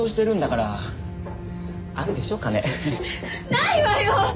ないわよ！